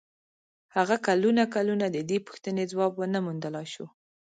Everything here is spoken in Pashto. هغه کلونه کلونه د دې پوښتنې ځواب و نه موندلای شو.